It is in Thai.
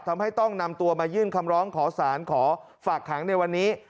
ต้องนำตัวมายื่นคำร้องขอสารขอฝากขังในวันนี้